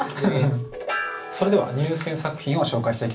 それでは入選作品を紹介していきましょう。